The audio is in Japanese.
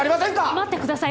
待ってください。